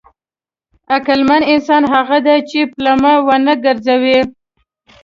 عقلمن انسان هغه دی چې پلمه ونه ګرځوي.